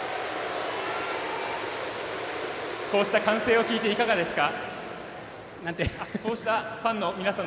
こうした歓声を聞いていかがですか。